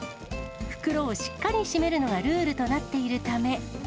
袋をしっかり閉めるのがルールとなっているため。